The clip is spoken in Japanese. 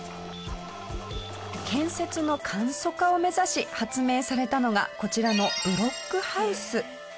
建設の簡素化を目指し発明されたのがこちらのブロックハウス。